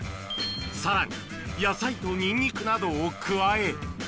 さらに野菜とニンニクなどを加え。